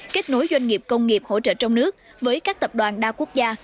kết nối doanh nghiệp công nghiệp hỗ trợ trong nước với các tập đoàn đa quốc gia